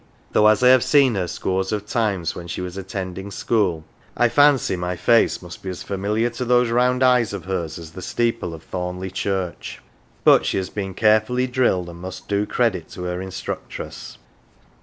" though, as I have seen her scores of times when she was attending school, I fancy my face must be as familiar to those round eyes of hers as the steeple of Thornleigh Church. But she has been carefully drilled, and must do credit to her instructress.